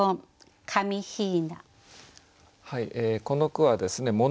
この句はですね